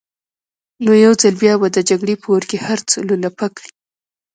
نو يو ځل بيا به د جګړې په اور کې هر څه لولپه کړي.